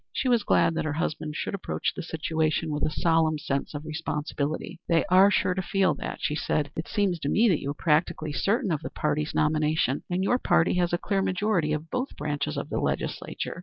She was glad that her husband should approach the situation with a solemn sense of responsibility. "They are sure to feel that," she said. "It seems to me that you are practically certain of the party nomination, and your party has a clear majority of both branches of the Legislature."